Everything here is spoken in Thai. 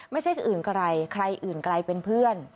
ไม่ใช่อื่นกับไรใครอื่นกันบ้างเป็นเพื่อน